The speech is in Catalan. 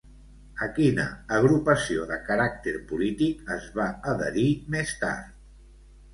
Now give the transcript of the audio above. A quina agrupació de caràcter polític es va adherir més tard?